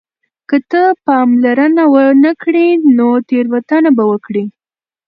که ته پاملرنه ونه کړې نو تېروتنه به وکړې.